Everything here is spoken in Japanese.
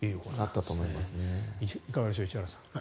いかがでしょう、石原さん。